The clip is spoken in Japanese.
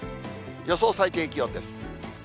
予想最低気温です。